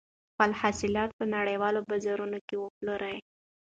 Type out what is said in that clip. خپل حاصلات په نړیوالو بازارونو کې وپلورئ.